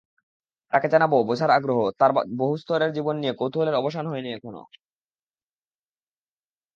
তাঁকে জানার-বোঝার আগ্রহ, তাঁর বহুস্তরের জীবন নিয়ে কৌতূহলের অবসান হয়নি এখনো।